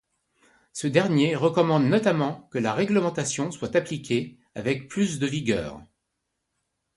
Ce dernier recommande notamment que la réglementation soit appliquée avec plus de vigueur.